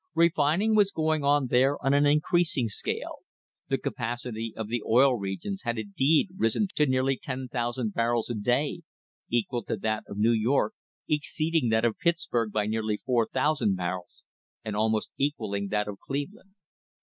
Refining was going on there on an increasing scale; the capacity of the Oil Regions had indeed risen to nearly 10,000 barrels a day — equal to that of New York, exceeding that of Pittsburg by nearly 4,000 barrels, and almost equalling that of Cleveland.